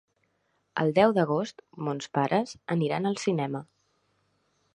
El deu d'agost mons pares aniran al cinema.